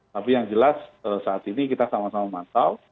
tapi yang jelas saat ini kita sama sama mantau